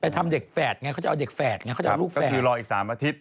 ไปทำเด็กแฟสเขาจะเอาเข้าเด็กแฟสก็คือรออีก๓อาทิตย์